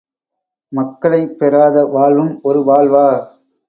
மக்களைப் பெறாத வாழ்வும் ஒரு வாழ்வா!